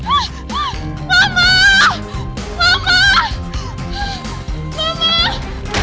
masuk masuknya tapi nggak buddha eins ineo